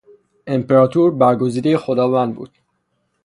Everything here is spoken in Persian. امپراطور، برگزیدهی خداوند بود.